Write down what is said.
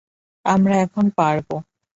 আমরা এখন পারবো।